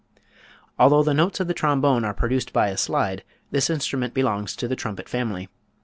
Although the notes of the trombone are produced by a slide, this instrument belongs to the trumpet family.